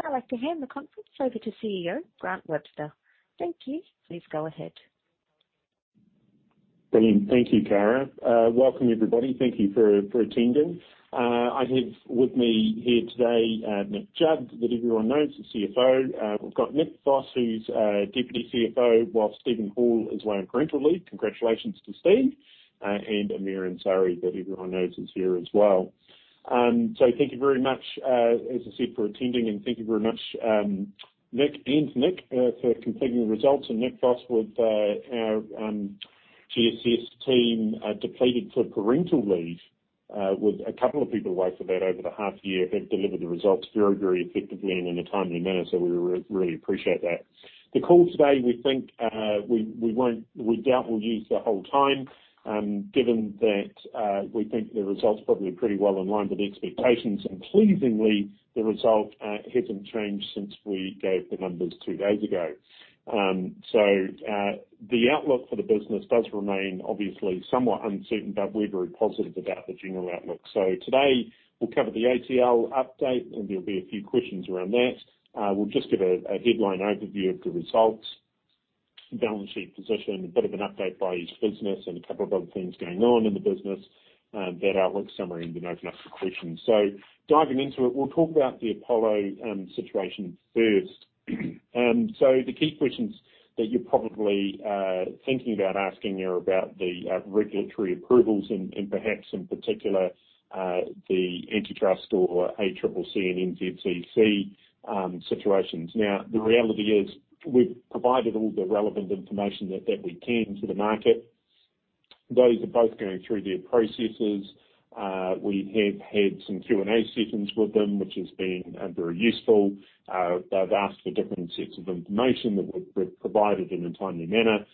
I'd now like to hand the conference over to CEO, Grant Webster. Thank you. Please go ahead. Brilliant. Thank you, Kara. Welcome everybody. Thank you for attending. I have with me here today, Nick Judd, that everyone knows, the CFO. We've got Nick Voss, who's deputy CFO, while Steven Hall is away on parental leave. Congratulations to Steve. Amir Ansari, that everyone knows, is here as well. Thank you very much, as I said, for attending, and thank you very much, Nick and Nick, for completing the results. Nick Voss with our GSS team, depleted for parental leave, with a couple of people away for that over the half year, have delivered the results very, very effectively and in a timely manner. We really appreciate that. The call today, we think, we doubt we'll use the whole time, given that, we think the results probably are pretty well in line with expectations. Pleasingly, the result hasn't changed since we gave the numbers two days ago. The outlook for the business does remain obviously somewhat uncertain, but we're very positive about the general outlook. Today, we'll cover the ATL update, and there'll be a few questions around that. We'll just give a headline overview of the results, balance sheet position, a bit of an update by each business and a couple of other things going on in the business, that outlook summary, and then open up for questions. Diving into it, we'll talk about the Apollo situation first. The key questions that you're probably thinking about asking are about the regulatory approvals and perhaps in particular the antitrust or ACCC and NZCC situations. Now, the reality is, we've provided all the relevant information that we can to the market. Those are both going through their processes. We have had some Q&A sessions with them, which has been very useful. They've asked for different sets of information that we've provided in a timely manner.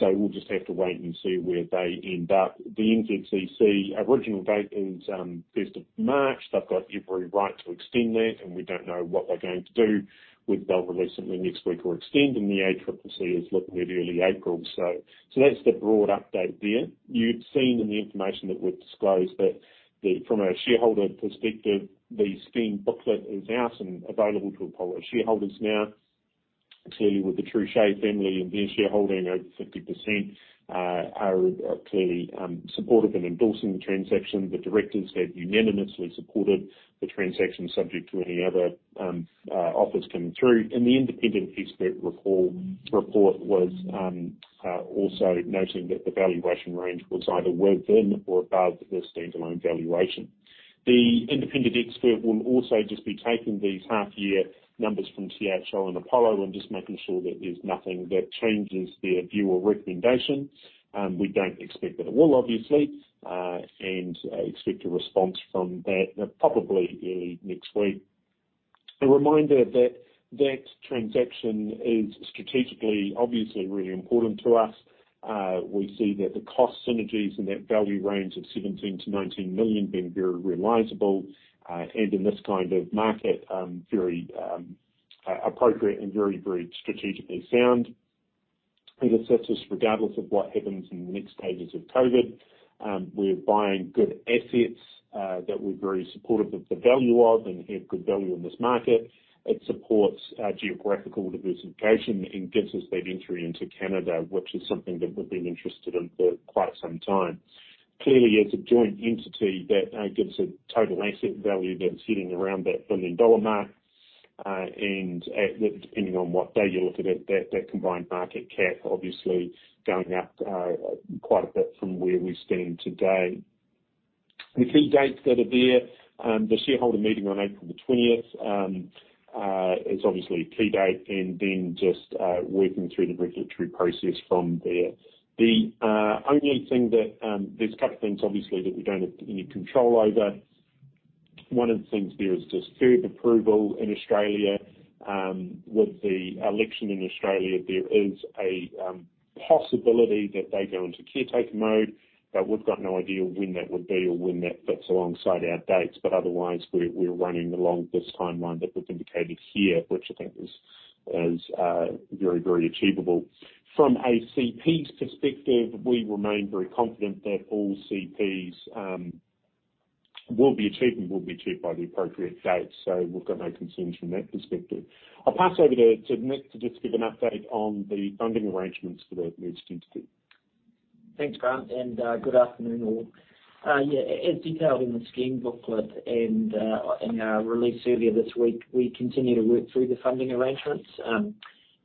We'll just have to wait and see where they end up. The NZCC original date is fifth of March. They've got every right to extend that, and we don't know what they're going to do. They'll release something next week or extend. The ACCC is looking at early April. That's the broad update there. You've seen in the information that we've disclosed that the, from a shareholder perspective, the scheme booklet is out and available to Apollo shareholders now. Clearly, with the Trouchet family and their shareholding over 50%, are clearly supportive in endorsing the transaction. The directors have unanimously supported the transaction subject to any other offers coming through. The independent expert report was also noting that the valuation range was either within or above the standalone valuation. The independent expert will also just be taking these half year numbers from THL and Apollo and just making sure that there's nothing that changes their view or recommendation. We don't expect that it will obviously, and expect a response from that, probably early next week. A reminder that that transaction is strategically, obviously really important to us. We see that the cost synergies and that value range of 17 million-19 million being very realizable, and in this kind of market, very appropriate and very strategically sound. It assists us regardless of what happens in the next stages of COVID. We're buying good assets that we're very supportive of the value of and have good value in this market. It supports our geographical diversification and gets us that entry into Canada, which is something that we've been interested in for quite some time. Clearly, as a joint entity, that gives a total asset value that's hitting around that 1 billion dollar mark. Depending on what day you look at it, that combined market cap obviously going up quite a bit from where we stand today. The key dates that are there, the shareholder meeting on April 20 is obviously a key date and then just working through the regulatory process from there. The only thing that there's a couple things obviously that we don't have any control over. One of the things there is just FIRB approval in Australia. With the election in Australia, there is a possibility that they go into caretaker mode, but we've got no idea when that would be or when that fits alongside our dates. Otherwise, we're running along this timeline that we've indicated here, which I think is very achievable. From a CPs perspective, we remain very confident that all CPs will be achieved and will be achieved by the appropriate dates. We've got no concerns from that perspective. I'll pass over to Nick to just give an update on the funding arrangements for the merged entity. Thanks, Grant, and good afternoon, all. As detailed in the scheme booklet and in our release earlier this week, we continue to work through the funding arrangements.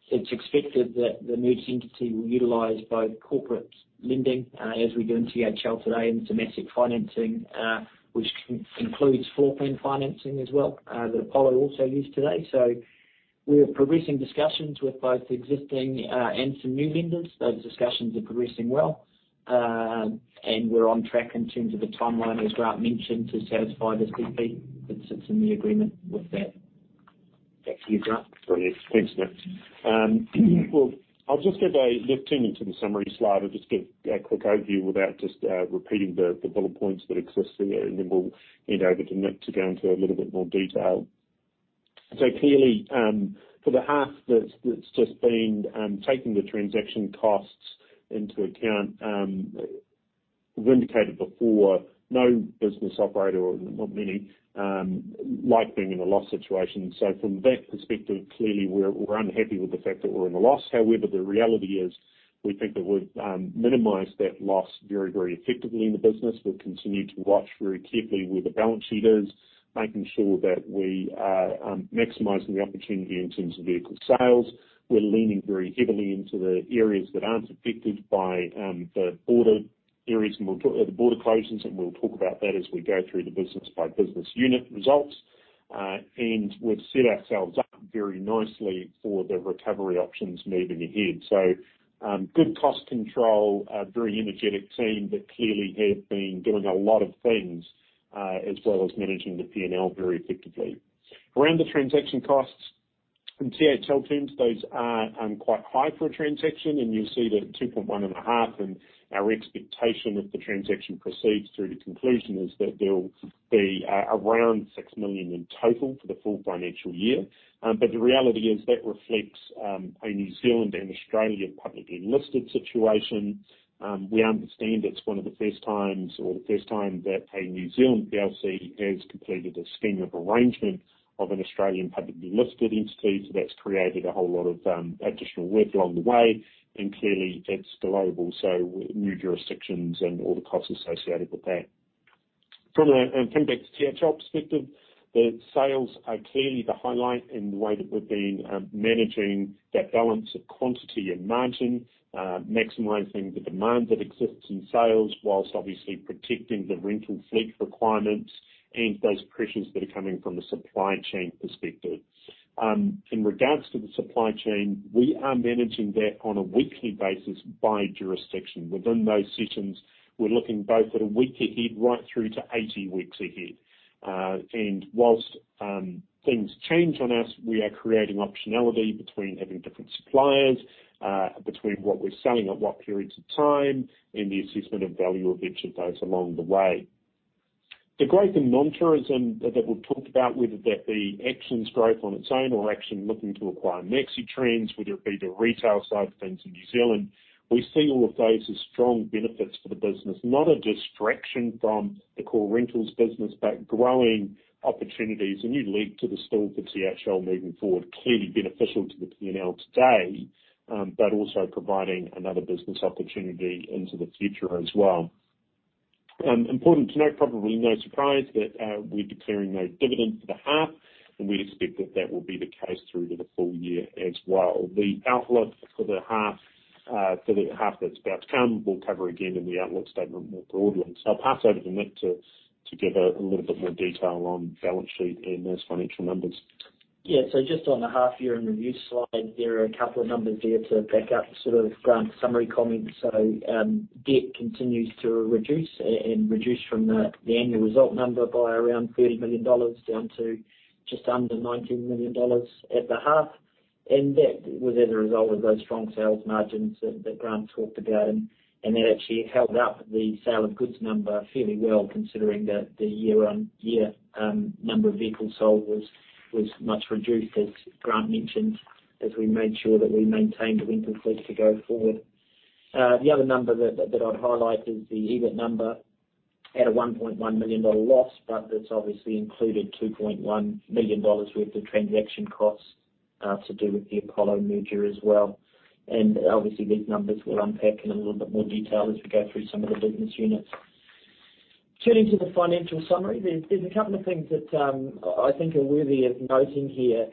It's expected that the merged entity will utilize both corporate lending, as we do in THL today, and domestic financing, which includes floor plan financing as well, that Apollo also use today. We're progressing discussions with both existing and some new lenders. Those discussions are progressing well. We're on track in terms of the timeline, as Grant mentioned, to satisfy the CP that sits in the agreement with that. Back to you, Grant. Brilliant. Thanks, Nick. I'll just give a quick overview without just repeating the bullet points that exist there, and then we'll hand over to Nick to go into a little bit more detail. Clearly, for the half that's just been, taking the transaction costs into account, we've indicated before no business operator or not many like being in a loss situation. From that perspective, clearly we're unhappy with the fact that we're in a loss. However, the reality is we think that we've minimized that loss very effectively in the business. We've continued to watch very carefully where the balance sheet is, making sure that we are maximizing the opportunity in terms of vehicle sales. We're leaning very heavily into the areas that aren't affected by the border areas, or the border closures, and we'll talk about that as we go through the business-by-business unit results. We've set ourselves up very nicely for the recovery options moving ahead. Good cost control, a very energetic team that clearly have been doing a lot of things, as well as managing the P&L very effectively. Around the transaction costs in THL terms, those are quite high for a transaction, and you'll see that 2.1 million and NZD 0.5 million, and our expectation if the transaction proceeds through to conclusion is that they'll be around 6 million in total for the full financial year. The reality is that reflects a New Zealand and Australia publicly listed situation. We understand it's one of the first times or the first time that a New Zealand PLC has completed a scheme of arrangement of an Australian publicly listed entity. That's created a whole lot of additional work along the way, and clearly it's global, so new jurisdictions and all the costs associated with that. Coming back to THL perspective, the sales are clearly the highlight in the way that we've been managing that balance of quantity and margin, maximizing the demand that exists in sales whilst obviously protecting the rental fleet requirements and those pressures that are coming from the supply chain perspective. In regards to the supply chain, we are managing that on a weekly basis by jurisdiction. Within those sessions, we're looking both at a week ahead right through to 80 weeks ahead. While things change on us, we are creating optionality between having different suppliers, between what we're selling at what periods of time, and the assessment of value of each of those along the way. The growth in non-tourism that we've talked about, whether that be Action's growth on its own or Action looking to acquire MaxiTRANS, whether it be the retail side of things in New Zealand, we see all of those as strong benefits for the business. Not a distraction from the core rentals business, but growing opportunities, a new leg to the stool for THL moving forward. Clearly beneficial to the P&L today, but also providing another business opportunity into the future as well. Important to note, probably no surprise that we're declaring no dividend for the half, and we expect that will be the case through to the full year as well. The outlook for the half that's about to come, we'll cover again in the outlook statement more broadly. I'll pass over to Nick to give a little bit more detail on balance sheet and those financial numbers. Yeah. Just on the half year and review slide, there are a couple of numbers there to back up sort of Grant's summary comments. Debt continues to reduce from the annual result number by around 30 million dollars, down to just under 19 million dollars at the half. That was as a result of those strong sales margins that Grant talked about. That actually held up the sale of goods number fairly well, considering that the year-on-year number of vehicles sold was much reduced, as Grant mentioned, as we made sure that we maintained the rental fleet to go forward. The other number that I'd highlight is the EBIT number at a 1.1 million dollar loss, but that's obviously included 2.1 million dollars worth of transaction costs to do with the Apollo merger as well. Obviously, these numbers we'll unpack in a little bit more detail as we go through some of the business units. Turning to the financial summary, there's a couple of things that I think are worthy of noting here.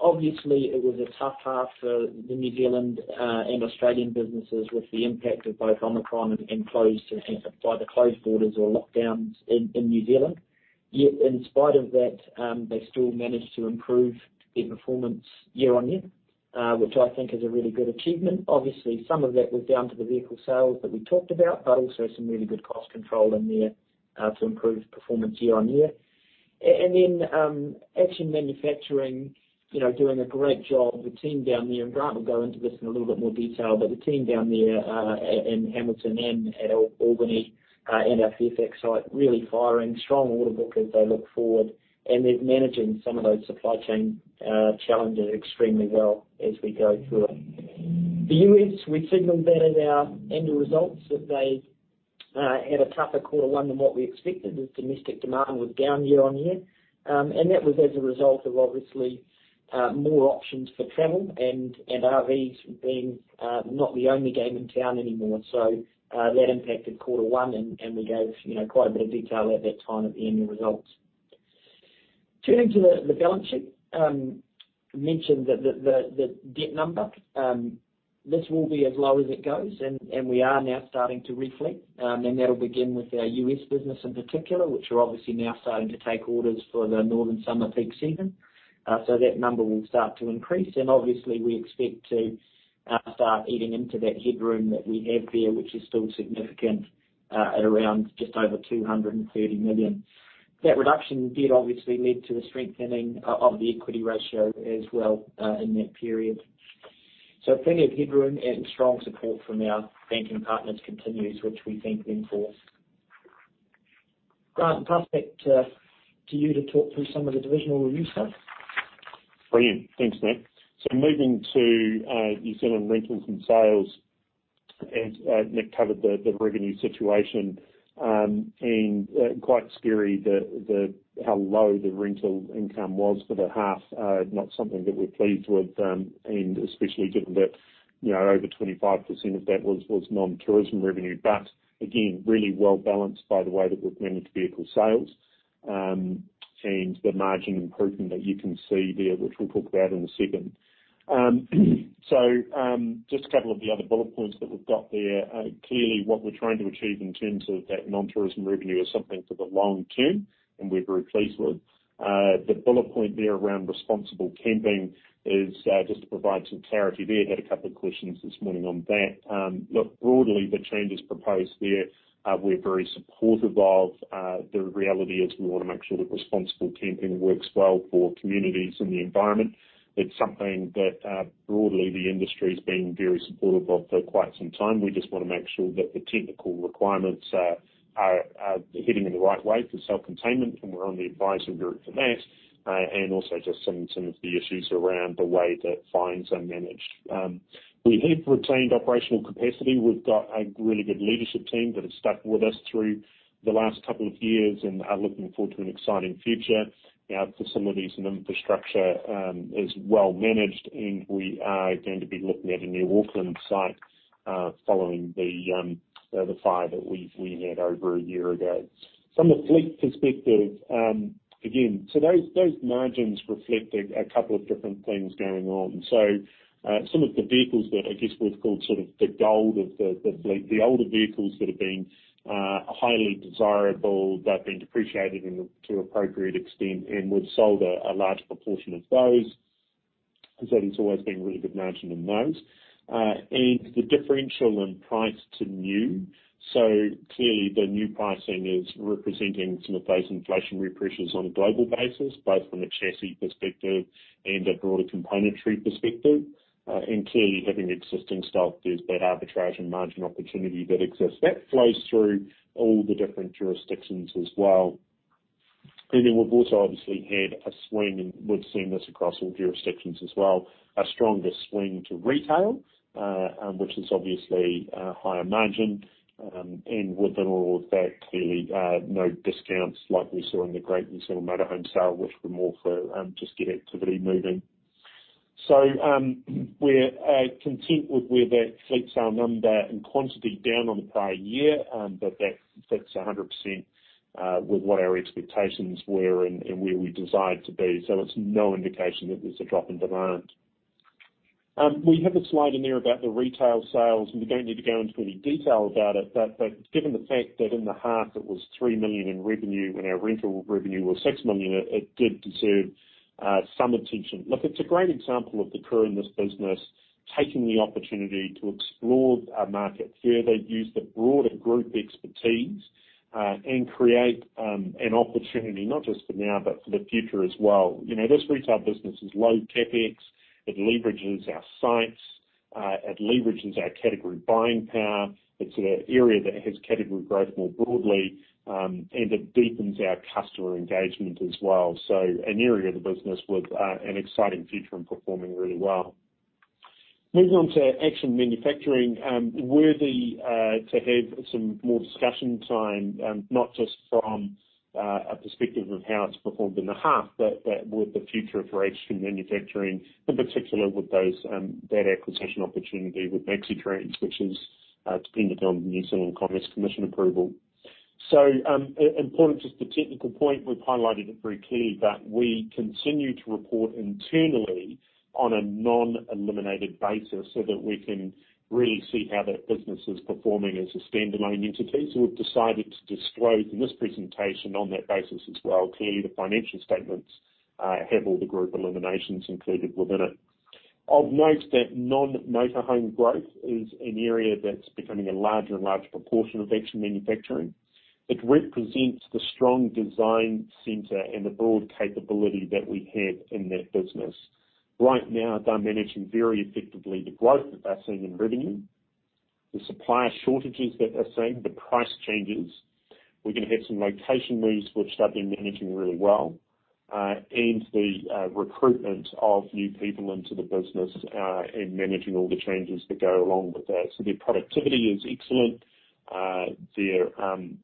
Obviously, it was a tough half for the New Zealand and Australian businesses with the impact of both Omicron and closed borders or lockdowns in New Zealand. Yet in spite of that, they still managed to improve their performance year-on-year, which I think is a really good achievement. Obviously, some of that was down to the vehicle sales that we talked about, but also some really good cost control in there to improve performance year-on-year. Action Manufacturing, you know, doing a great job. The team down there, and Grant will go into this in a little bit more detail, but the team down there in Hamilton and at Albany and our Fairfax site, really firing. Strong order book as they look forward, and they're managing some of those supply chain challenges extremely well as we go through it. The U.S., we signaled that at our annual results that they had a tougher quarter one than what we expected as domestic demand was down year-on-year. That was as a result of obviously more options for travel and RVs being not the only game in town anymore. That impacted quarter one and we gave, you know, quite a bit of detail at that time at the annual results. Turning to the balance sheet, we mentioned the debt number. This will be as low as it goes and we are now starting to refleet. That'll begin with our U.S. business in particular, which are obviously now starting to take orders for the northern summer peak season. That number will start to increase. Obviously, we expect to start eating into that headroom that we have there, which is still significant at around just over 230 million. That reduction did obviously lead to a strengthening of the equity ratio as well, in that period. Plenty of headroom and strong support from our banking partners continues, which we think reinforces Grant and Prospect, over to you to talk through some of the divisional reviews then. Brilliant. Thanks, Nick. Moving to New Zealand rentals and sales, as Nick covered the revenue situation. Quite scary how low the rental income was for the half. Not something that we're pleased with, and especially given that, you know, over 25% of that was non-tourism revenue. But again, really well balanced by the way that we've managed vehicle sales, and the margin improvement that you can see there, which we'll talk about in a second. Just a couple of the other bullet points that we've got there. Clearly what we're trying to achieve in terms of that non-tourism revenue is something for the long term, and we're very pleased with. The bullet point there around responsible camping is just to provide some clarity there. Had a couple of questions this morning on that. Look, broadly the changes proposed there, we're very supportive of. The reality is we wanna make sure that responsible camping works well for communities and the environment. It's something that, broadly, the industry's been very supportive of for quite some time. We just wanna make sure that the technical requirements are heading in the right way for self-containment, and we're on the advisory group for that. And also just some of the issues around the way that fines are managed. We have retained operational capacity. We've got a really good leadership team that has stuck with us through the last couple of years and are looking forward to an exciting future. Our facilities and infrastructure is well managed, and we are going to be looking at a new Auckland site following the fire that we had over a year ago. From a fleet perspective, again, those margins reflect a couple of different things going on. Some of the vehicles that I guess we've called sort of the gold of the fleet. The older vehicles that have been highly desirable, they've been depreciated to appropriate extent, and we've sold a large proportion of those. There's always been really good margin in those. And the differential in price to new, clearly the new pricing is representing some of those inflationary pressures on a global basis, both from a chassis perspective and a broader componentry perspective. Clearly having existing stock, there's that arbitrage and margin opportunity that exists. That flows through all the different jurisdictions as well. We've also obviously had a swing, and we've seen this across all jurisdictions as well, a stronger swing to retail, which is obviously a higher margin. Within all of that, clearly, no discounts like we saw in the Great New Zealand Motorhome Sale, which were more for just get activity moving. We're content with where that fleet sale number and quantity down on prior year. But that's 100% with what our expectations were and where we desire to be. It's no indication that there's a drop in demand. We have a slide in there about the retail sales, and we don't need to go into any detail about it, but given the fact that in the half it was 3 million in revenue, when our rental revenue was 6 million, it did deserve some attention. Look, it's a great example of the crew in this business taking the opportunity to explore our market further, use the broader group expertise, and create an opportunity not just for now, but for the future as well. You know, this retail business is low CapEx. It leverages our sites. It leverages our category buying power. It's an area that has category growth more broadly, and it deepens our customer engagement as well. An area of the business with an exciting future and performing really well. Moving on to Action Manufacturing, worthy to have some more discussion time, not just from a perspective of how it's performed in the half, but with the future of Action Manufacturing in particular with that acquisition opportunity with MaxiTRANS, which is dependent on the New Zealand Commerce Commission approval. Important just a technical point, we've highlighted it very clearly that we continue to report internally on a non-eliminated basis so that we can really see how that business is performing as a standalone entity. We've decided to disclose in this presentation on that basis as well. Clearly, the financial statements have all the group eliminations included within it. I'll note that non-motorhome growth is an area that's becoming a larger and larger proportion of Action Manufacturing. It represents the strong design center and the broad capability that we have in that business. Right now, they're managing very effectively the growth that they're seeing in revenue, the supplier shortages that they're seeing, the price changes. We're gonna have some location moves which they've been managing really well, and the recruitment of new people into the business, and managing all the changes that go along with that. So their productivity is excellent. Their stock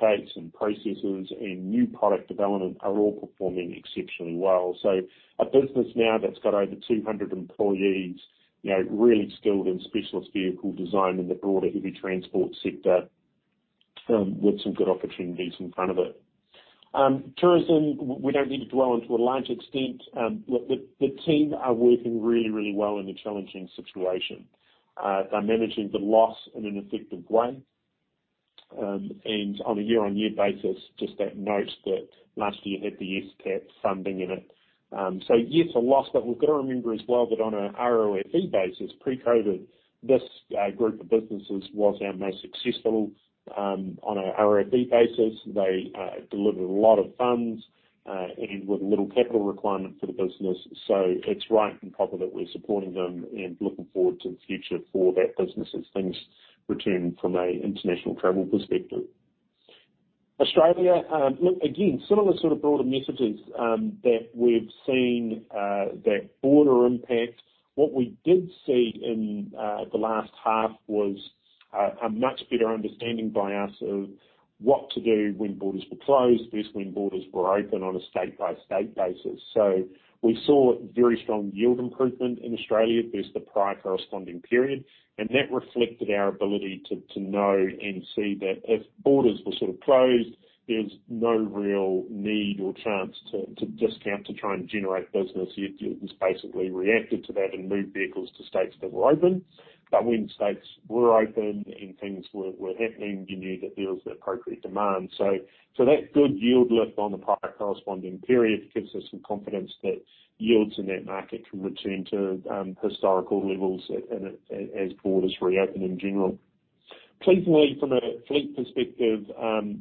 takes and processes and new product development are all performing exceptionally well. So a business now that's got over 200 employees, you know, really skilled in specialist vehicle design in the broader heavy transport sector, with some good opportunities in front of it. Tourism, we don't need to dwell on to a large extent. Look, the team are working really well in a challenging situation. They're managing the loss in an effective way. On a year-on-year basis, just a note that last year had the STAPP funding in it. Yes, a loss, but we've gotta remember as well that on a ROFE basis, pre-COVID, this group of businesses was our most successful on a ROFE basis. They delivered a lot of funds and with little capital requirement for the business. It's right and proper that we're supporting them and looking forward to the future for that business as things return from an international travel perspective. Australia, look again, similar sort of broader messages that we've seen that border impact. What we did see in the last half was a much better understanding by us of what to do when borders were closed versus when borders were open on a state-by-state basis. We saw very strong yield improvement in Australia versus the prior corresponding period, and that reflected our ability to know and see that if borders were sort of closed, there's no real need or chance to discount to try and generate business. You just basically reacted to that and moved vehicles to states that were open. When states were open and things were happening, you knew that there was the appropriate demand. That good yield lift on the prior corresponding period gives us some confidence that yields in that market can return to historical levels and as borders reopen in general. Pleasingly, from a fleet perspective,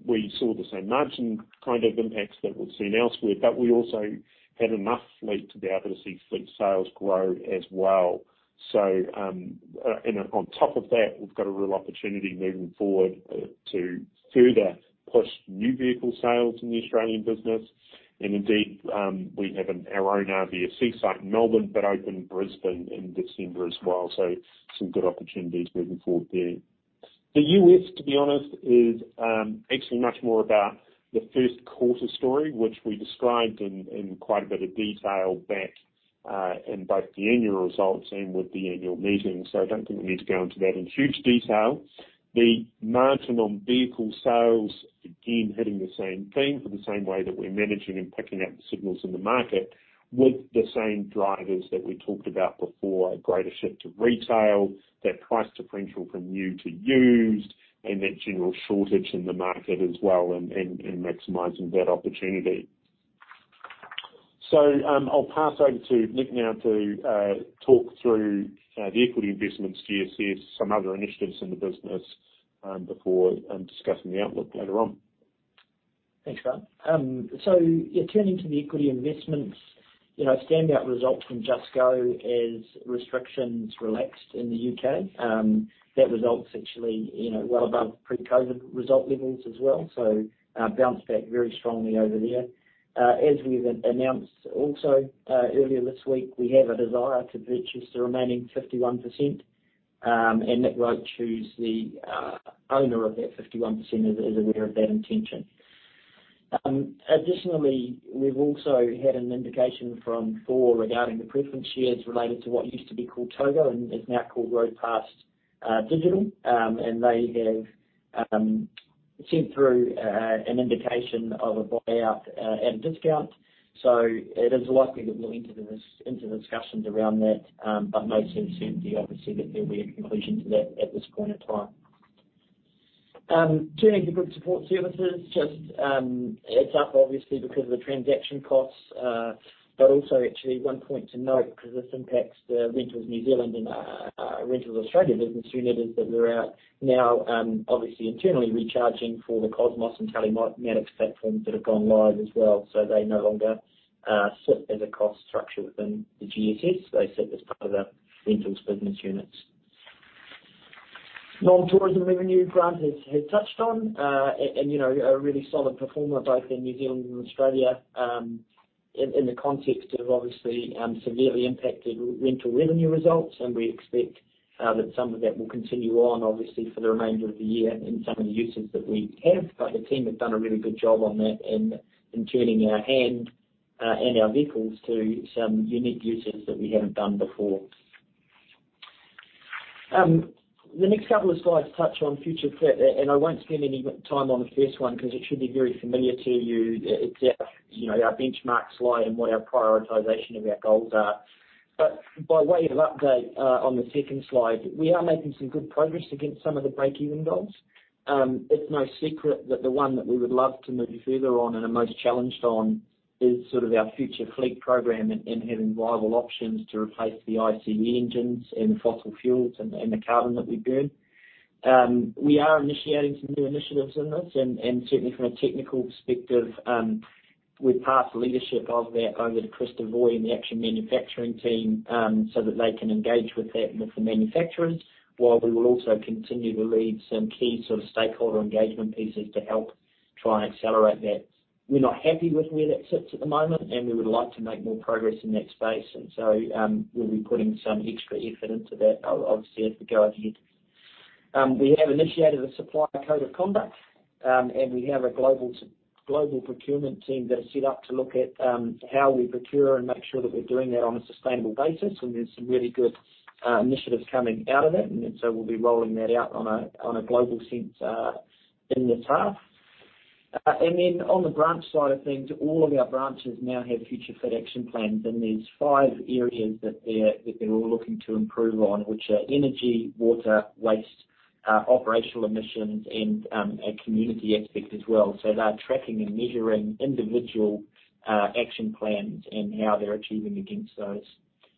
we saw the same margin kind of impacts that we've seen elsewhere, but we also had enough fleet to be able to see fleet sales grow as well. On top of that, we've got a real opportunity moving forward to further push new vehicle sales in the Australian business. We have our own RV Sales Centre site in Melbourne that opened in Brisbane in December as well, so some good opportunities moving forward there. The U.S., to be honest, is actually much more about the first quarter story, which we described in quite a bit of detail back in both the annual results and with the annual meeting, so I don't think we need to go into that in huge detail. The margin on vehicle sales, again, hitting the same theme in the same way that we're managing and picking up the signals in the market with the same drivers that we talked about before, a greater shift to retail, that price differential from new to used, and that general shortage in the market as well and maximizing that opportunity. I'll pass over to Nick now to talk through the equity investment GSS, some other initiatives in the business, before discussing the outlook later on. Thanks, Grant. Turning to the equity investments, you know, standout results from Just Go as restrictions relaxed in the U.K. That result's actually, you know, well above pre-COVID result levels as well. Bounced back very strongly over there. As we've announced also earlier this week, we have a desire to purchase the remaining 51%, and Nick Roach, who's the owner of that 51%, is aware of that intention. Additionally, we've also had an indication from Thor regarding the preference shares related to what used to be called Togo and is now called Roadpass Digital. They have sent through an indication of a buyout at a discount. It is likely that we'll enter into discussions around that, but no certainty, obviously, that there'll be a conclusion to that at this point in time. Turning to Group Support Services, just, it's up obviously because of the transaction costs, but also actually one point to note because this impacts the Rentals New Zealand and Rentals Australia business units that we're outlining now, obviously internally recharging for the Cosmos and Telematics platforms that have gone live as well. They no longer sit as a cost structure within the GSS. They sit as part of the rentals business units. Non-tourism revenue Grant has touched on, and, you know, a really solid performer both in New Zealand and Australia, in the context of obviously severely impacted rental revenue results. We expect that some of that will continue on obviously for the remainder of the year in some of the uses that we have. The team have done a really good job on that in turning our hand and our vehicles to some unique uses that we haven't done before. The next couple of slides touch on Future-Fit, and I won't spend any time on the first one 'cause it should be very familiar to you. It's our, you know, our benchmarks, like, and what our prioritization of our goals are. By way of update on the second slide, we are making some good progress against some of the break-even goals. It's no secret that the one that we would love to move further on and are most challenged on is sort of our future fleet program and having viable options to replace the ICE engines and the fossil fuels and the carbon that we burn. We are initiating some new initiatives in this and certainly from a technical perspective, we've passed the leadership of that over to Chris Devoy and the Action Manufacturing team, so that they can engage with that with the manufacturers while we will also continue to lead some key sort of stakeholder engagement pieces to help try and accelerate that. We're not happy with where that sits at the moment, and we would like to make more progress in that space. We'll be putting some extra effort into that obviously as we go ahead. We have initiated a supplier code of conduct, and we have a global procurement team that are set up to look at how we procure and make sure that we're doing that on a sustainable basis. There's some really good initiatives coming out of it. We'll be rolling that out on a global sense in the task. On the branch side of things, all of our branches now have future fit action plans, and there's five areas that they're all looking to improve on, which are energy, water, waste, operational emissions and a community aspect as well. They are tracking and measuring individual action plans and how they're achieving against those.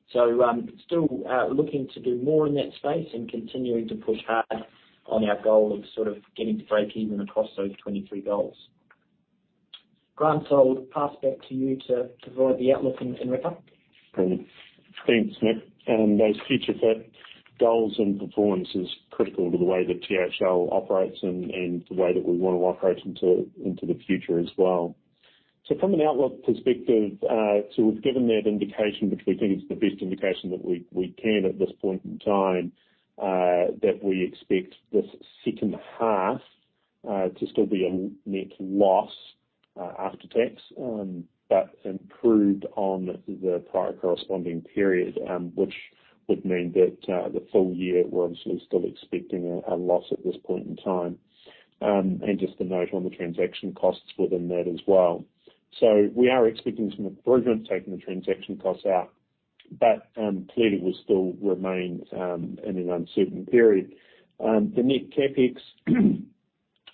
Still looking to do more in that space and continuing to push hard on our goal of sort of getting to break even across those 23 goals. Grant, I'll pass back to you to provide the outlook and wrap up. Great. Thanks, Nick. Those Future-Fit goals and performance is critical to the way that THL operates and the way that we wanna operate into the future as well. From an outlook perspective, we've given that indication, which we think is the best indication that we can at this point in time, that we expect this second half to still be a net loss after tax, but improved on the prior corresponding period, which would mean that the full year, we're obviously still expecting a loss at this point in time. Just a note on the transaction costs within that as well. We are expecting some improvement taking the transaction costs out, but clearly we still remain in an uncertain period. The net CapEx,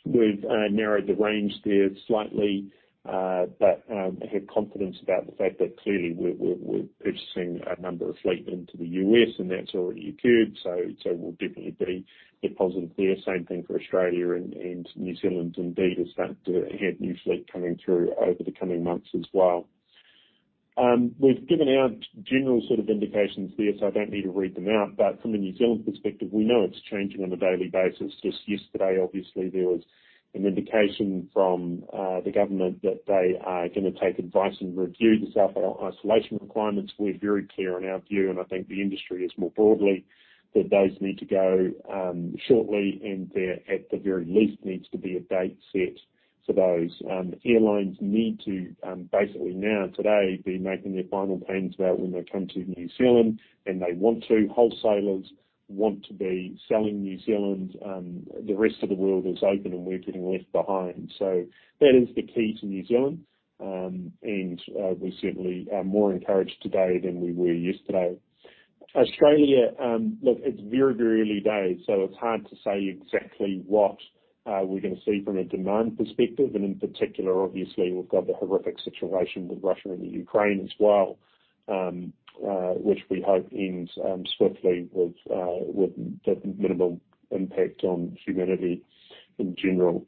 we've narrowed the range there slightly, but have confidence about the fact that clearly we're purchasing a number of fleet into the U.S. and that's already accrued. So we'll definitely be a positive there. Same thing for Australia and New Zealand indeed has started to hit new fleet coming through over the coming months as well. We've given our general sort of indications there, so I don't need to read them out. But from a New Zealand perspective, we know it's changing on a daily basis. Just yesterday, obviously, there was an indication from the government that they are gonna take advice and review the self-isolation requirements. We're very clear on our view, and I think the industry is more broadly, that those need to go shortly, and there at the very least needs to be a date set for those. Airlines need to basically now, today, be making their final plans about when they come to New Zealand, and they want to. Wholesalers want to be selling New Zealand. The rest of the world is open and we're getting left behind. That is the key to New Zealand. We certainly are more encouraged today than we were yesterday. Australia, look, it's very, very early days, so it's hard to say exactly what we're gonna see from a demand perspective. In particular, obviously, we've got the horrific situation with Russia and the Ukraine as well, which we hope ends swiftly with the minimal impact on humanity in general.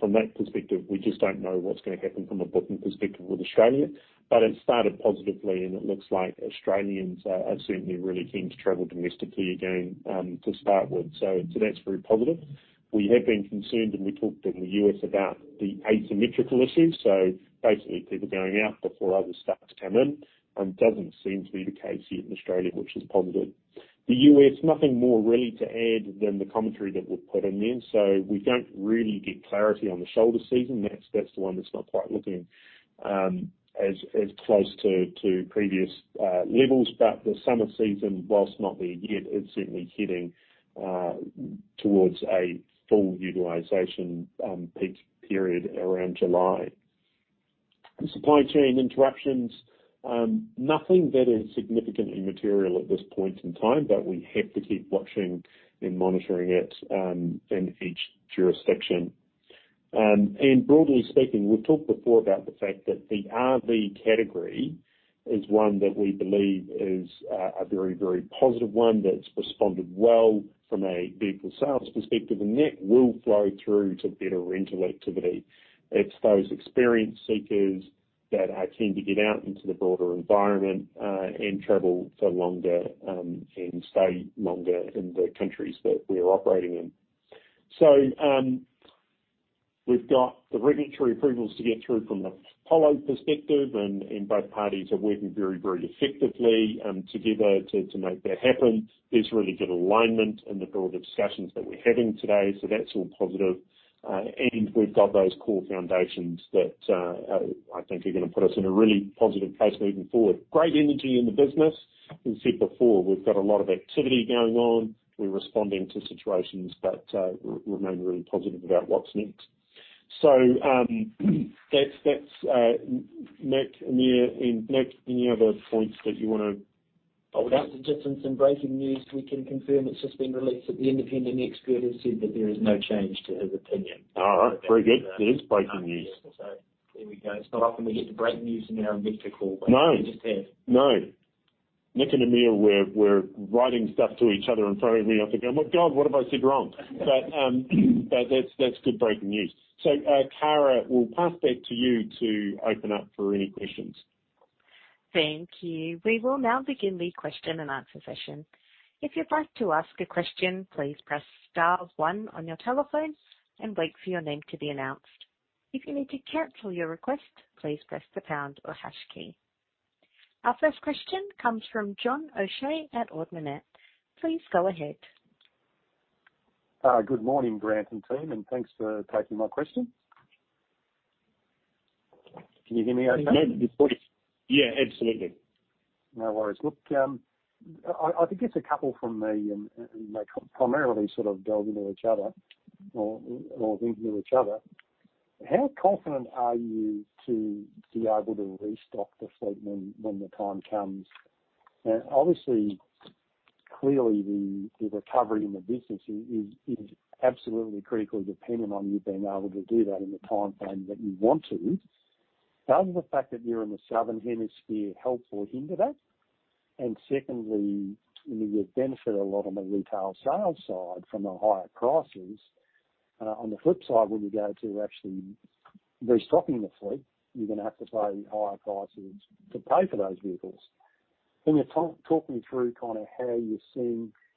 From that perspective, we just don't know what's gonna happen from a booking perspective with Australia. It started positively and it looks like Australians are certainly really keen to travel domestically again, to start with. That's very positive. We have been concerned, and we talked in the U.S. about the asymmetrical issue. Basically people going out before others start to come in doesn't seem to be the case here in Australia, which is positive. The U.S., nothing more really to add than the commentary that we've put in there. We don't really get clarity on the shoulder season. That's the one that's not quite looking as close to previous levels. The summer season, while not there yet, is certainly heading towards a full utilization peak period around July. Supply chain interruptions, nothing that is significantly material at this point in time, but we have to keep watching and monitoring it in each jurisdiction. Broadly speaking, we've talked before about the fact that the RV category is one that we believe is a very positive one that's responded well from a vehicle sales perspective, and that will flow through to better rental activity. It's those experienced seekers that are keen to get out into the broader environment and travel for longer and stay longer in the countries that we're operating in. We've got the regulatory approvals to get through from the Apollo perspective, and both parties are working very, very effectively together to make that happen. There's really good alignment in the broader discussions that we're having today, so that's all positive. We've got those core foundations that I think are gonna put us in a really positive place moving forward. Great energy in the business. We've said before, we've got a lot of activity going on. We're responding to situations, but remain really positive about what's next. That's Nick and Amir. Nick, any other points that you wanna hold up? Just in some breaking news, we can confirm it's just been released that the independent expert has said that there is no change to his opinion. Oh, very good. There is breaking news. There we go. It's not often we get to break news in our investor call. No. We just have. No. Nick and Amir were writing stuff to each other in front of me. I was going, "My God, what have I said wrong?" That's good breaking news. Kara, we'll pass back to you to open up for any questions. Thank you. We will now begin the question and answer session. If you'd like to ask a question, please press star one on your telephone and wait for your name to be announced. If you need to cancel your request, please press the pound or hash key. Our first question comes from John O'Shea at Ord Minnett. Please go ahead. Good morning, Grant and team, and thanks for taking my question. Can you hear me okay? Yeah. Good. Yeah, absolutely. No worries. Look, I think it's a couple from me and they primarily sort of delve into each other or link to each other. How confident are you to be able to restock the fleet when the time comes? Now, obviously, clearly, the recovery in the business is absolutely critically dependent on you being able to do that in the timeframe that you want to. Does the fact that you're in the southern hemisphere help or hinder that? Secondly, you know, you've benefited a lot on the retail sales side from the higher prices. On the flip side, when you go to actually restocking the fleet, you're gonna have to pay higher prices to pay for those vehicles. Can you talk me through kinda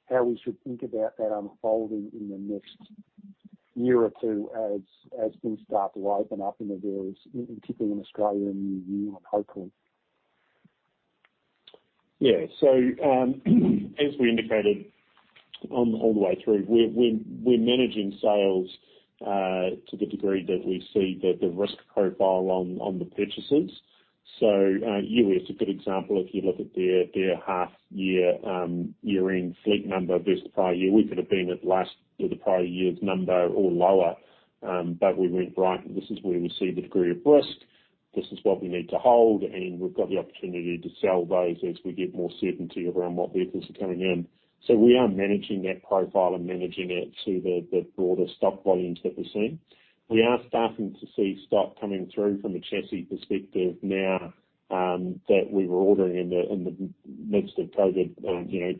how we should think about that unfolding in the next year or two as things start to open up, in particular in Australia and New Zealand, hopefully? Yeah. As we indicated all the way through, we're managing sales to the degree that we see the risk profile on the purchases. U.S. is a good example. If you look at their half year year-end fleet number versus the prior year, we could have been at last or the prior year's number or lower. But we went, right, this is where we see the degree of risk. This is what we need to hold, and we've got the opportunity to sell those as we get more certainty around what vehicles are coming in. We are managing that profile and managing it to the broader stock volumes that we're seeing. We are starting to see stock coming through from a chassis perspective now, that we were ordering in the midst of COVID, you know,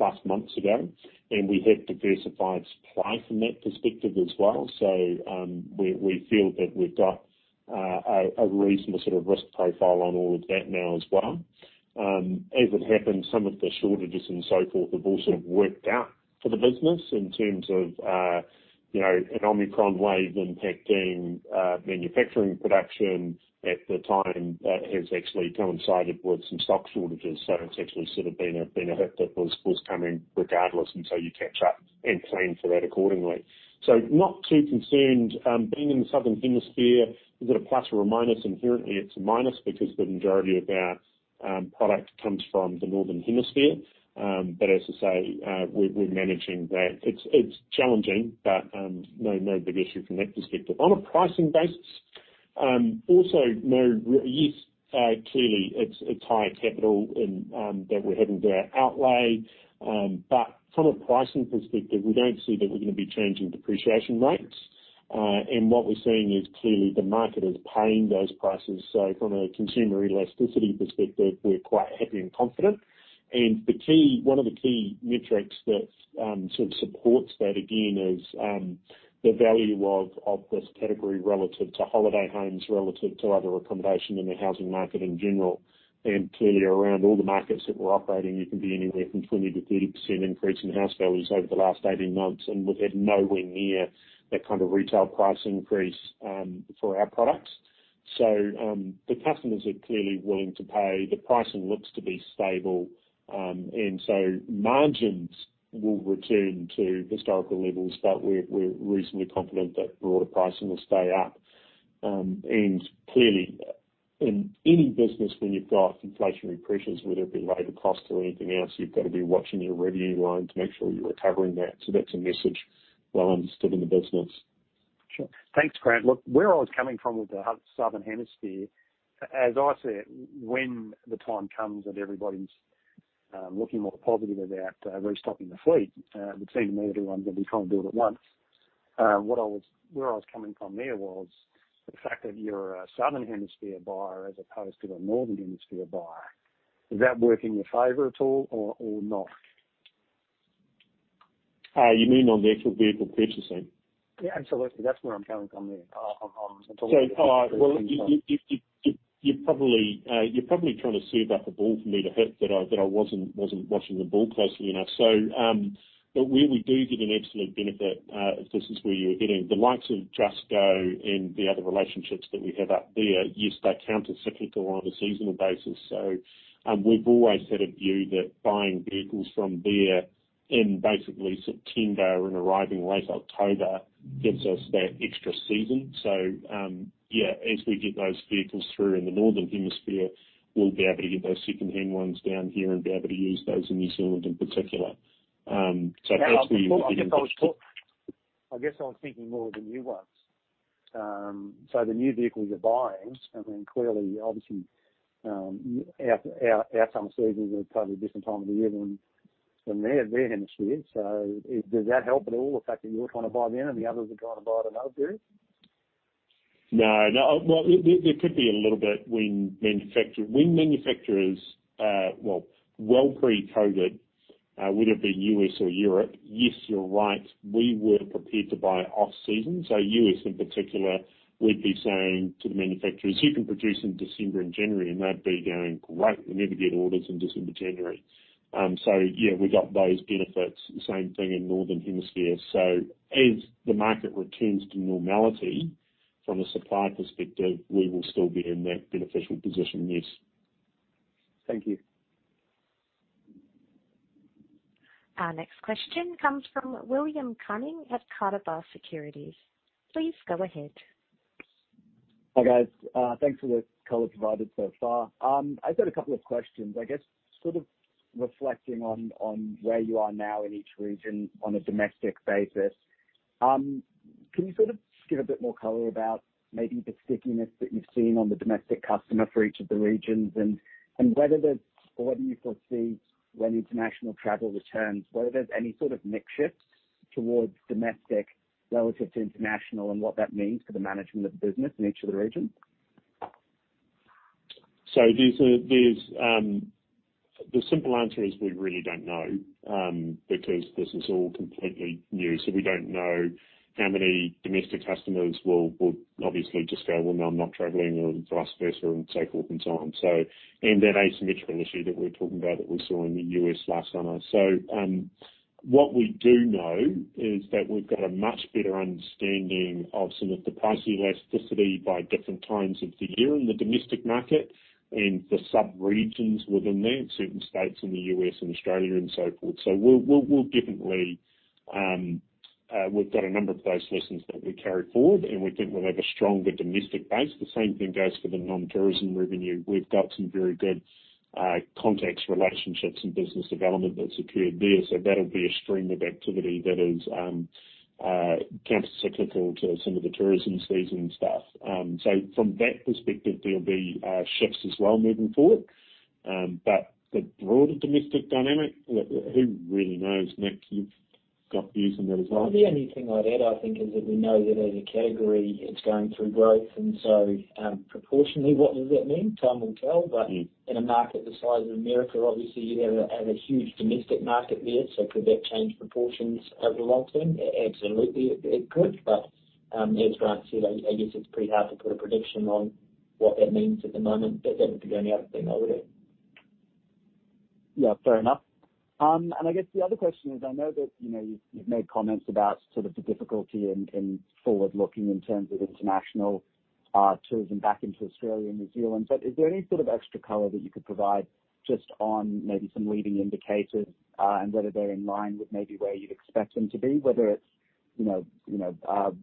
12+ months ago. We have diversified supply from that perspective as well. We feel that we've got a reasonable sort of risk profile on all of that now as well. As it happens, some of the shortages and so forth have all sort of worked out for the business in terms of, you know, an Omicron wave impacting manufacturing production at the time that has actually coincided with some stock shortages. It's actually sort of been a benefit that was coming regardless until you catch up and plan for that accordingly. Not too concerned. Being in the southern hemisphere, is it a plus or a minus? Inherently, it's a minus because the majority of our product comes from the northern hemisphere. But as I say, we're managing that. It's challenging, but no big issue from that perspective. On a pricing basis, also yes, clearly it's higher capital and that we're having to outlay. But from a pricing perspective, we don't see that we're gonna be changing depreciation rates. And what we're seeing is clearly the market is paying those prices. So from a consumer elasticity perspective, we're quite happy and confident. One of the key metrics that sort of supports that again is the value of this category relative to holiday homes, relative to other accommodation in the housing market in general. Clearly around all the markets that we're operating, you can be anywhere from 20%-30% increase in house values over the last 18 months, and we're nowhere near that kind of retail price increase for our products. The customers are clearly willing to pay. The pricing looks to be stable. Margins will return to historical levels, but we're reasonably confident that broader pricing will stay up. In any business when you've got inflationary pressures, whether it be labor cost or anything else, you've got to be watching your revenue line to make sure you're recovering that. That's a message well understood in the business. Sure. Thanks, Grant. Look, where I was coming from with the southern hemisphere, as I said, when the time comes and everybody's looking more positive about restocking the fleet, it would seem to me that everyone's gonna be trying to do it at once. Where I was coming from there was the fact that you're a southern hemisphere buyer as opposed to a northern hemisphere buyer. Does that work in your favor at all or not? You mean on the actual vehicle purchasing? Yeah, absolutely. That's where I'm coming from there. I'm talking about- Well, you're probably trying to serve up a ball for me to hit that I wasn't watching the ball closely enough. But where we do get an absolute benefit, this is where you're hitting the likes of Just Go and the other relationships that we have up there. Yes, they're counter-cyclical on a seasonal basis. We've always had a view that buying vehicles from there in basically September and arriving late October gets us that extra season. Yeah, as we get those vehicles through in the northern hemisphere, we'll be able to get those secondhand ones down here and be able to use those in New Zealand in particular. So that's where you were getting the- I guess I was thinking more of the new ones. The new vehicles you're buying, I mean, clearly, obviously, our summer seasons are a totally different time of the year than their hemisphere. Does that help at all the fact that you're trying to buy then and the others are trying to buy at another period? No, no. Well, there could be a little bit when manufacturers well pre-COVID would have been U.S. or Europe. Yes, you're right. We were prepared to buy off-season. U.S. in particular, we'd be saying to the manufacturers, "You can produce in December and January," and they'd be going, "Great. We never get orders in December, January." Yeah, we got those benefits. The same thing in Northern Hemisphere. As the market returns to normality from a supply perspective, we will still be in that beneficial position, yes. Thank you. Our next question comes from William Cunning at Craigs Investment Partners. Please go ahead. Hi, guys. Thanks for the color provided so far. I've got a couple of questions. I guess sort of reflecting on where you are now in each region on a domestic basis. Can you sort of give a bit more color about maybe the stickiness that you've seen on the domestic customer for each of the regions and whether there's or whether you foresee when international travel returns, whether there's any sort of mix shift towards domestic relative to international, and what that means for the management of the business in each of the regions. The simple answer is we really don't know, because this is all completely new. We don't know how many domestic customers will obviously just go, "Well, no, I'm not traveling," or vice versa and so forth and so on and an asymmetrical issue that we're talking about that we saw in the U.S. last summer. What we do know is that we've got a much better understanding of some of the price elasticity by different times of the year in the domestic market and the sub-regions within there, certain states in the U.S. and Australia and so forth. We'll definitely we've got a number of those lessons that we carry forward, and we think we'll have a stronger domestic base. The same thing goes for the non-tourism revenue. We've got some very good contacts, relationships, and business development that's occurred there. That'll be a stream of activity that is countercyclical to some of the tourism season stuff. From that perspective, there'll be shifts as well moving forward. The broader domestic dynamic, who really knows? Nick, you've got views on that as well. The only thing I'd add, I think, is that we know that as a category, it's going through growth and so, proportionally, what does that mean? Time will tell. In a market the size of America, obviously you have a huge domestic market there, so could that change proportions over the long term? Absolutely it could, as Grant said, I guess it's pretty hard to put a prediction on what that means at the moment. That would be the only other thing I would add. Yeah. Fair enough. I guess the other question is, I know that, you know, you've made comments about sort of the difficulty in forward-looking in terms of international tourism back into Australia and New Zealand, but is there any sort of extra color that you could provide just on maybe some leading indicators, and whether they're in line with maybe where you'd expect them to be, whether it's, you know,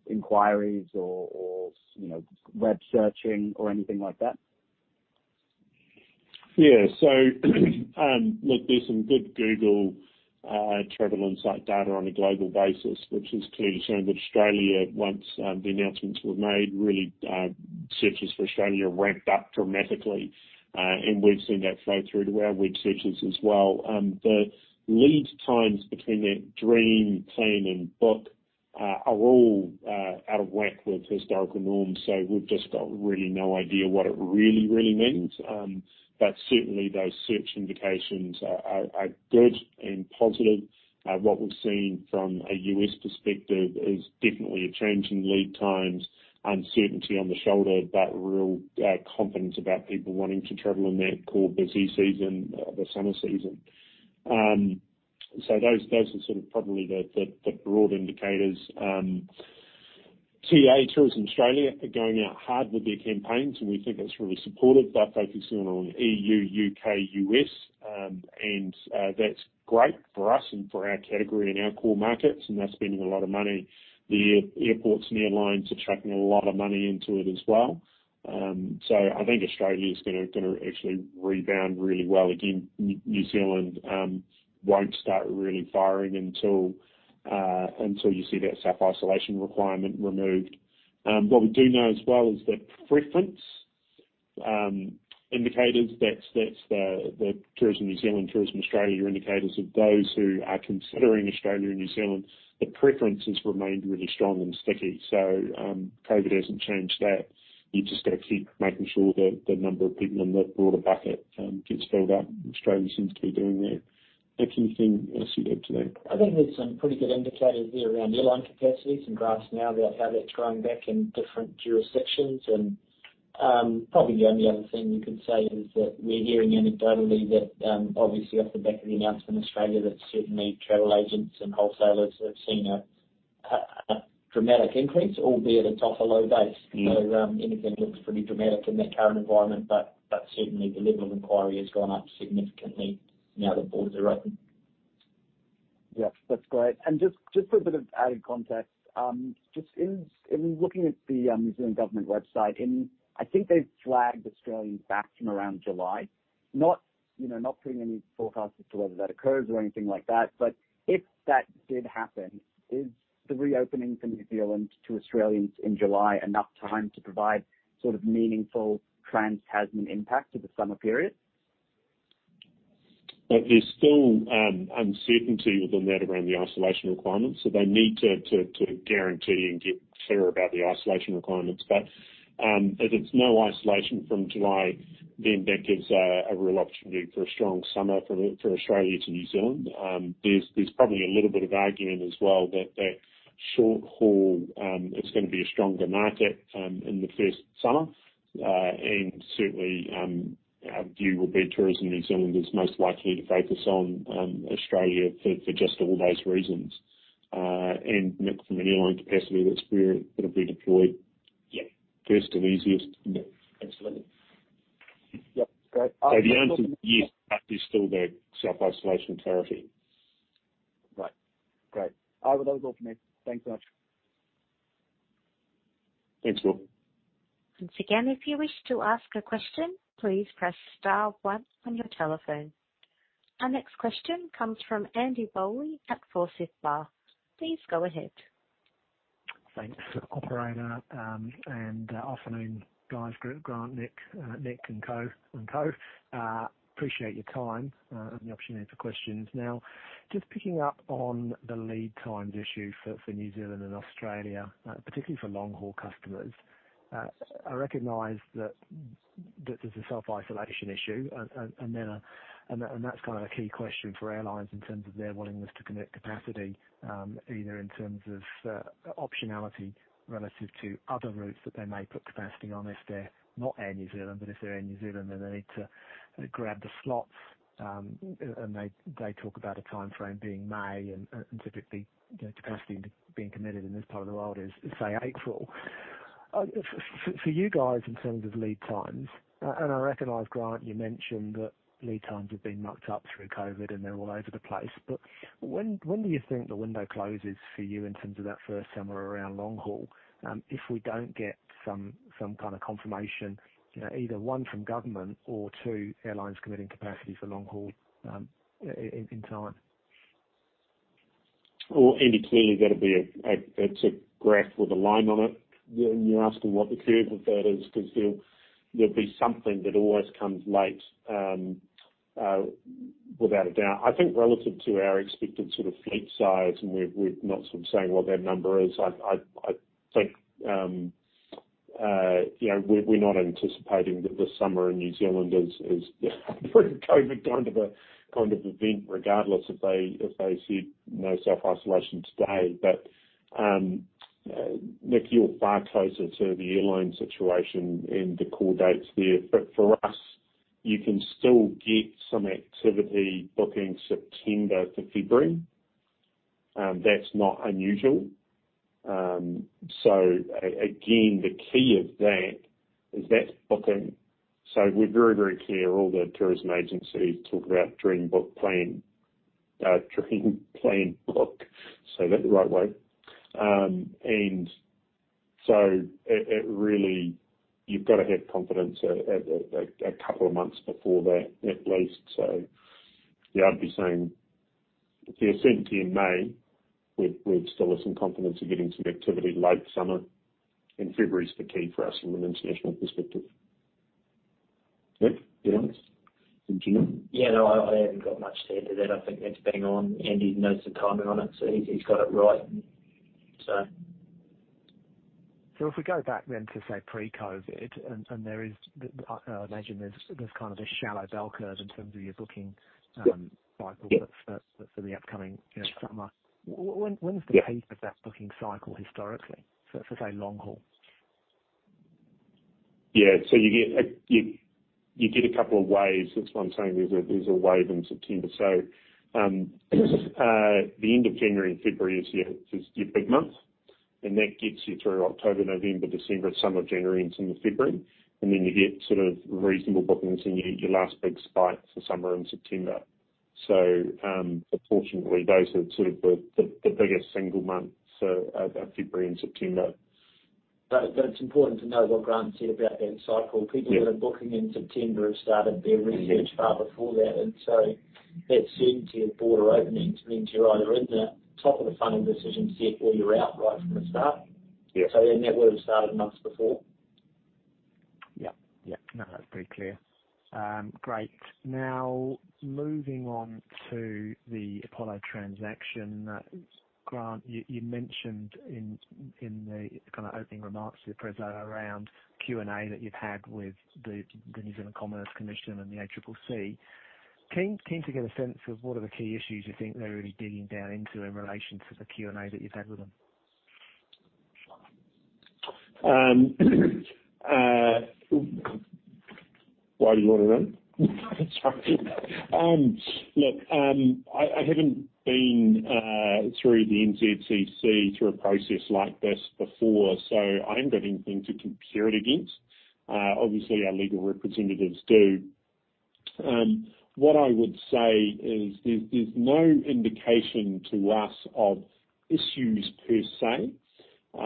inquiries or you know, web searching or anything like that? Yeah. Look, there's some good Google travel insight data on a global basis, which is clearly showing that Australia, once the announcements were made, really searches for Australia ramped up dramatically. We've seen that flow through to our web searches as well. The lead times between that dream, plan, and book are all out of whack with historical norms, so we've just got really no idea what it really means. Certainly those search indications are good and positive. What we've seen from a U.S. perspective is definitely a change in lead times, uncertainty on the shoulder, but real confidence about people wanting to travel in that core busy season, the summer season. Those are sort of probably the broad indicators. TA, Tourism Australia, are going out hard with their campaigns, and we think that's really supportive. They're focusing on E.U., U.K., U.S. That's great for us and for our category and our core markets, and they're spending a lot of money. The airports and airlines are chucking a lot of money into it as well. I think Australia's gonna actually rebound really well. Again, New Zealand won't start really firing until you see that self-isolation requirement removed. What we do know as well is that preference indicators, that's the Tourism New Zealand, Tourism Australia indicators of those who are considering Australia and New Zealand, the preference has remained really strong and sticky. COVID hasn't changed that. You've just gotta keep making sure that the number of people in that broader bucket, gets filled up. Australia seems to be doing that. Nick, anything else you'd add to that? I think there's some pretty good indicators there around airline capacity, some graphs now about how that's growing back in different jurisdictions. Probably the only other thing you could say is that we're hearing anecdotally that obviously off the back of the announcement in Australia, that certainly travel agents and wholesalers have seen a dramatic increase, albeit it's off a low base. Anything looks pretty dramatic in that current environment, but certainly the level of inquiry has gone up significantly now that borders are open. Yeah. That's great. Just for a bit of added context, just in looking at the New Zealand government website, I think they've flagged Australians back from around July. Not putting any forecast as to whether that occurs or anything like that, but if that did happen, is the reopening from New Zealand to Australians in July enough time to provide sort of meaningful trans-Tasman impact to the summer period? There's still uncertainty within that around the isolation requirements. They need to guarantee and get clear about the isolation requirements. If it's no isolation from July, then that gives a real opportunity for a strong summer for Australia to New Zealand. There's probably a little bit of argument as well that short-haul it's gonna be a stronger market in the first summer. Certainly our view will be Tourism New Zealand is most likely to focus on Australia for just all those reasons. Nick, from an airline capacity that's where it'll be deployed. Yeah. First and easiest. Yeah. Absolutely. Yep. Great. The answer is yes, but there's still that self-isolation clarity. Right. Great. All right. Well, that was all from me. Thanks so much. Thanks, Will. Once again, if you wish to ask a question, please press star one on your telephone. Our next question comes from Andy Bowley at Forsyth Barr. Please go ahead. Thanks, operator. Afternoon, guys, group. Grant, Nick and co. Appreciate your time and the opportunity for questions. Now, just picking up on the lead times issue for New Zealand and Australia, particularly for long-haul customers. I recognize that there's a self-isolation issue and then that's kind of a key question for airlines in terms of their willingness to commit capacity, either in terms of optionality relative to other routes that they may put capacity on if they're not Air New Zealand, but if they're Air New Zealand, then they need to grab the slots. They talk about a timeframe being May and typically, you know, capacity being committed in this part of the world is, say, April. For you guys in terms of lead times, and I recognize, Grant, you mentioned that lead times have been mucked up through COVID, and they're all over the place. But when do you think the window closes for you in terms of that first summer around long haul, if we don't get some kind of confirmation, you know, either one from government or two airlines committing capacity for long haul in time? Andy, clearly, it's a graph with a line on it. You're asking what the curve of that is 'cause there'll be something that always comes late, without a doubt. I think relative to our expected sort of fleet size, and we're not sort of saying what that number is. I think, you know, we're not anticipating that the summer in New Zealand is pre-COVID kind of event, regardless if they said no self-isolation today. Nick, you're far closer to the airline situation and the core dates there. For us, you can still get some activity booking September to February. That's not unusual. Again, the key of that is that booking. We're very, very clear. All the tourism agencies talk about dream, book, plan. Dream, plan, book. Say that the right way. It really, you've gotta have confidence a couple of months before that at least. Yeah, I'd be saying if you have certainty in May, we'd still have some confidence of getting some activity late summer, and February's the key for us from an international perspective. Nick, you want to. Julian? Yeah, no, I haven't got much to add to that. I think that's bang on. Andy knows the timing on it, so he's got it right, so. If we go back then to, say, pre-COVID, and there is the, I imagine there's kind of a shallow bell curve in terms of your booking Yeah. That's for the upcoming, you know, summer. When's the peak of that booking cycle historically for, say, long haul? You get a couple of waves. That's why I'm saying there's a wave in September. The end of January and February is your big month, and that gets you through October, November, December, some of January, and some of February. Then you get sort of reasonable bookings, and you get your last big spike for summer in September. Fortunately, those are sort of the biggest single months, February and September. It's important to know what Grant said about that cycle. Yeah. People that are booking in September have started their research. Far before that. That certainty of border openings means you're either in the top of the funnel decision set or you're out right from the start. Yeah. That would've started months before. Yeah. Yeah. No, that's pretty clear. Great. Now, moving on to the Apollo transaction. Grant, you mentioned in the kinda opening remarks of the preso around Q&A that you've had with the New Zealand Commerce Commission and the ACCC. Can you get a sense of what are the key issues you think they're really digging down into in relation to the Q&A that you've had with them? Why do you wanna know? Sorry. Look, I haven't been through the NZCC process like this before, so I haven't got anything to compare it against. Obviously, our legal representatives do. What I would say is there's no indication to us of issues per se. They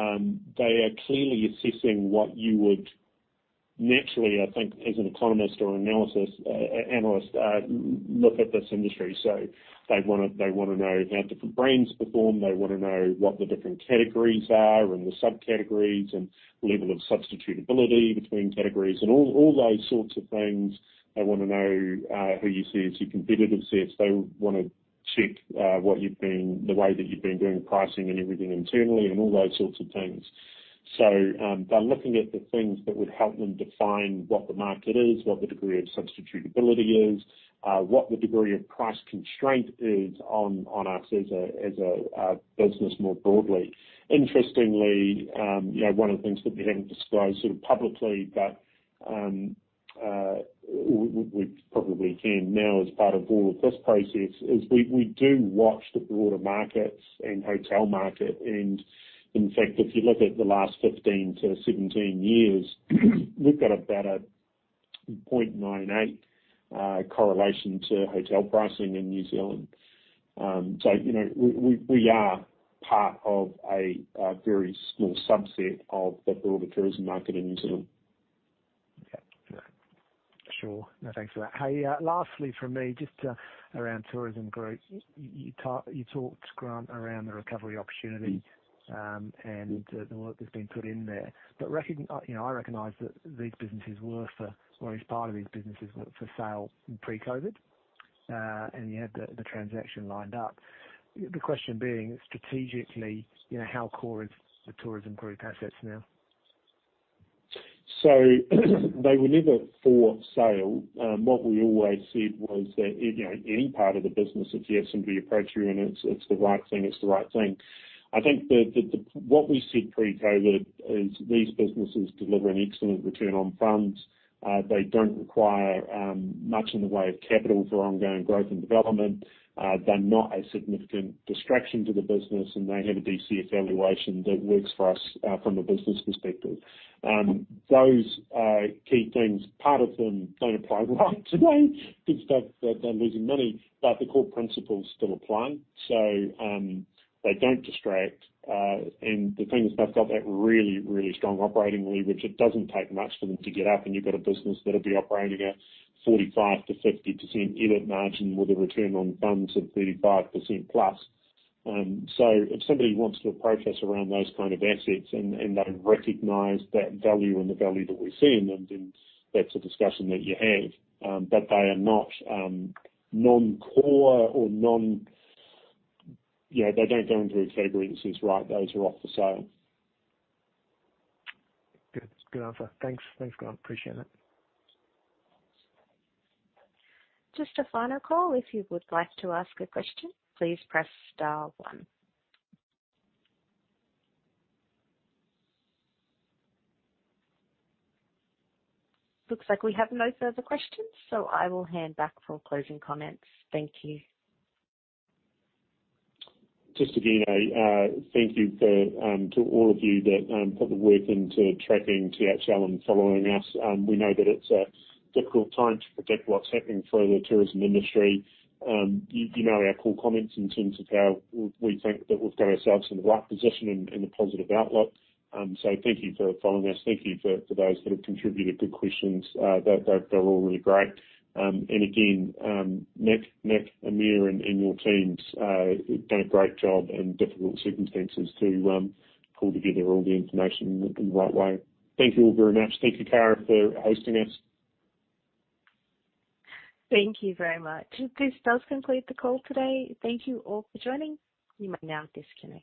are clearly assessing what you would naturally, I think, as an economist or analyst, look at this industry. They wanna know how different brands perform. They wanna know what the different categories are and the subcategories and the level of substitutability between categories and all those sorts of things. They wanna know who you see as your competitive set. They wanna check the way that you've been doing pricing and everything internally and all those sorts of things. They're looking at the things that would help them define what the market is, what the degree of substitutability is, what the degree of price constraint is on us as a business more broadly. Interestingly, you know, one of the things that we haven't disclosed sort of publicly but we probably can now as part of all of this process is we do watch the broader markets and hotel market. In fact, if you look at the last 15-17 years, we've got about a 0.98 correlation to hotel pricing in New Zealand. You know, we are part of a very small subset of the broader tourism market in New Zealand. Sure. No, thanks for that. Hey, lastly from me, just around tourism group. You talked, Grant, around the recovery opportunity, and the work that's been put in there. You know, I recognize that these businesses were for, or at least part of these businesses were for sale in pre-COVID, and you had the transaction lined up. The question being strategically, you know, how core is the tourism group assets now? They were never for sale. What we always said was that, you know, any part of the business, if you have somebody approach you and it's the right thing. I think what we said pre-COVID is these businesses deliver an excellent return on funds. They don't require much in the way of capital for ongoing growth and development. They're not a significant distraction to the business, and they have a DCF valuation that works for us from a business perspective. Those are key things. Part of them don't apply well today because they're losing money, but the core principles still apply. They don't distract. The thing is, they've got that really strong operating leverage. It doesn't take much for them to get up, and you've got a business that'll be operating at 45%-50% EBIT margin with a return on funds of 35%+. If somebody wants to approach us around those kind of assets and they recognize that value and the value that we see in them, then that's a discussion that you have. They are not non-core. You know, they don't go into a category that says, "Right, those are off for sale. Good. Good answer. Thanks. Thanks, Grant. Appreciate it. Just a final call. If you would like to ask a question, please press star one. Looks like we have no further questions, so I will hand back for closing comments. Thank you. Just again, thank you to all of you that put the work into tracking THL and following us. We know that it's a difficult time to predict what's happening for the tourism industry. You know our core comments in terms of how we think that we've got ourselves in the right position and a positive outlook. Thank you for following us. Thank you for those that have contributed good questions. They're all really great. Nick, Amir, and your teams have done a great job in difficult circumstances to pull together all the information in the right way. Thank you all very much. Thank you, Kara, for hosting us. Thank you very much. This does conclude the call today. Thank you all for joining. You may now disconnect.